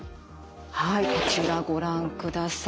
はいこちらご覧ください。